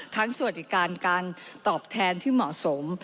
สวัสดิการการตอบแทนที่เหมาะสม